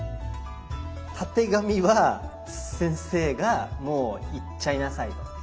たてがみは先生がもういっちゃいなさいと。